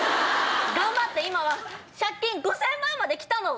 頑張って今は借金５０００万まで来たの！